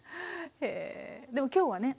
でも今日はね